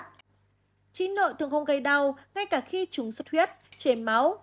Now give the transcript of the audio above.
trí nội thường không gây đau ngay cả khi chúng xuất huyết chế máu